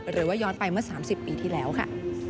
หรือว่าย้อนไปเมื่อ๓๐ปีที่แล้วค่ะ